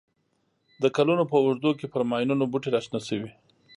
د کلونو په اوږدو کې پر ماینونو بوټي را شنه شوي.